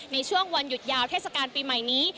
ในช่วงวันหยุดยาวเทศกาลปีใหม่นี้